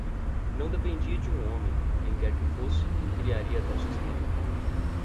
Não dependia de um homem, quem quer que fosse, criaria tal sistema.